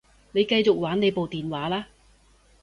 你繼續玩你部電話啦